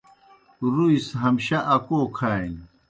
رُوئی سہ ہمشہ اکو کھانیْ۔